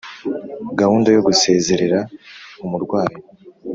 Gahunda Yo Gusezerera Umurwayi